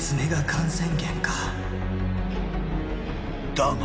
［だが］